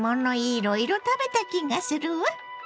いろいろ食べた気がするわ。